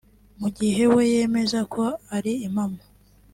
mu gihe we yemeza ko ari impamo